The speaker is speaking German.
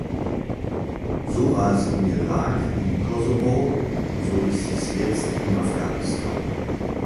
So war es im Irak, im Kosovo und so ist es jetzt in Afghanistan.